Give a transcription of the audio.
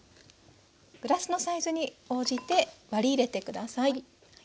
グラスのサイズに応じて割り入れて下さい。